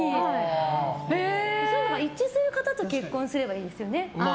そういうのが一致する方と結婚すればいいですよね。